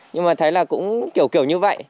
nhưng mà thấy là cũng kiểu kiểu như vậy